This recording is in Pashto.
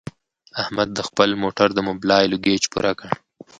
احمد د خپل موټر د مبلایلو ګېچ پوره کړ.